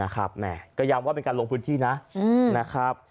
ก็ย้ำว่าเป็นการลงพื้นที่นะครับ